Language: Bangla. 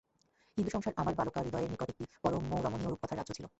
হিন্দুসংসার আমার বালিকাহৃদয়ের নিকট একটি পরমরমণীয় রূপকথার রাজ্য ছিল।